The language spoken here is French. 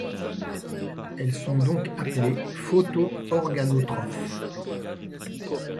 Elles sont donc appelées photoorganotrophe.